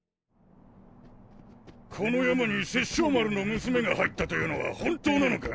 この山に殺生丸の娘が入ったというのは本当なのか？